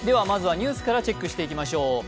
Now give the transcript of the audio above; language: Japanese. まずはニュースからチェックしていきましょう。